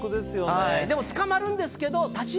でも、捕まるんですけど舘